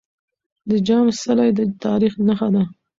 د جام څلی د تاريخ نښه ده.